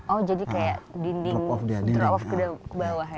oh jadi kayak dinding drop off ke bawah